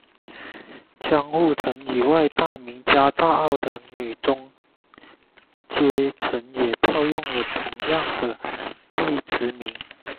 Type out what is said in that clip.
江户城以外大名家大奥的女中阶层也套用了同样的役职名。